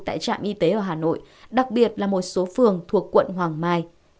tại trạm y tế ở hà nội đặc biệt là một số phường thuộc quận hoàng mai